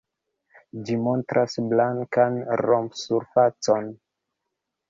Ĝi montras blankan romp-surfacon.